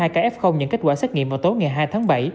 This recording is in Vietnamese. chín mươi hai ca f nhận kết quả xét nghiệm vào tối ngày hai tháng bảy